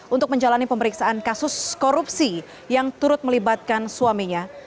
untuk menjalani pemeriksaan kasus korupsi yang turut melibatkan suaminya